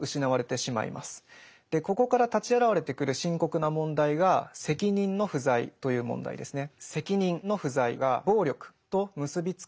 ここから立ち現れてくる深刻な問題が責任の不在という問題ですね。